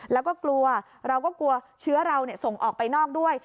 แล้วก็กลัวเราก็กลัวเชื้อเราส่งออกไปนอกด้วย